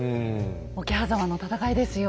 桶狭間の戦いですよ。